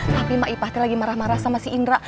tapi maipa lagi marah marah sama si indra